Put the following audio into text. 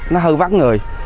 nó hơi vắng người